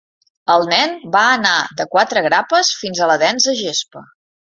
El nen va anar de quatre grapes fins a la densa gespa.